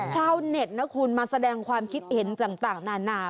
ข้าวเน็ตมาแสดงความคิดเห็นต่างหนา